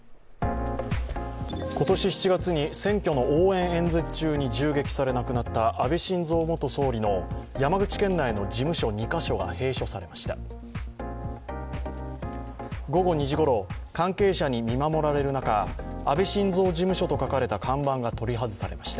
今年７月に選挙の応援演説中に銃撃され死亡した安倍晋三元総理の山口県内の事務所２か所が閉所されました。